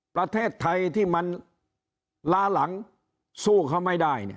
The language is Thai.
ประเทศไทยที่มันล้าหลังสู้เขาไม่ได้